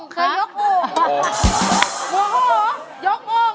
เคยยกโอ่ง